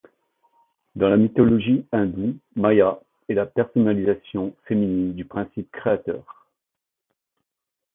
Dans la mythologie hindoue, Maïa est la personnalisation féminine du principe créateur.